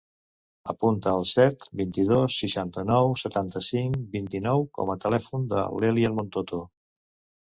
Apunta el set, vint-i-dos, seixanta-nou, setanta-cinc, vint-i-nou com a telèfon de l'Elian Montoto.